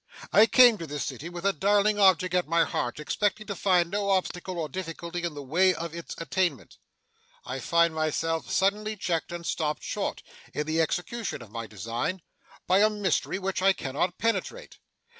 I came to this city with a darling object at my heart, expecting to find no obstacle or difficulty in the way of its attainment. I find myself suddenly checked and stopped short, in the execution of my design, by a mystery which I cannot penetrate.